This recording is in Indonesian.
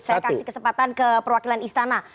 saya kasih kesempatan ke perwakilan istana